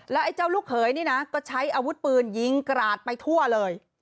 แล้วไอ้เจ้าลูกเขยนี่นะก็ใช้อาวุธปืนยิงกราดไปทั่วเลย